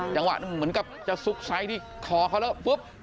จังหวะเหมือนกับจะซุกไซส์ที่คอเขาแล้วปุ๊บ